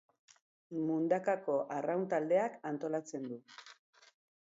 Mundakako Arraun Taldeak antolatzen du.